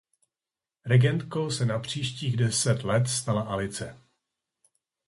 Regentkou se na příštích deset let stala Alice.